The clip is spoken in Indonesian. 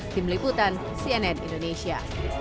tim liputan cnn indonesia